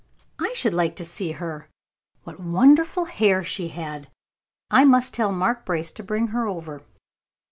I should like to see her. What wonderful hair she had. I must tell Mark Brace to bring her over."